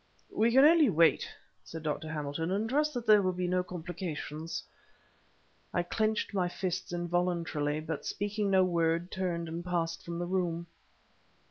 "We can only wait," said Dr. Hamilton, "and trust that there will be no complications." I clenched my fists involuntarily, but, speaking no word, turned and passed from the room.